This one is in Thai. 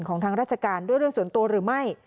ทางราชการด้วยเรื่องส่วนตัวหรือไม่